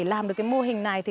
là cái đệ gì